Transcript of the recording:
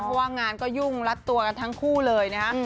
เพราะว่างานก็ยุ่งรัดตัวกันทั้งคู่เลยนะฮะ